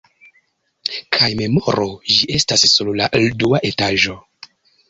Kaj memoru, ĝi estas sur la dua etaĝo.